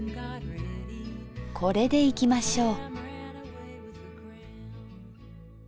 これでいきましょう。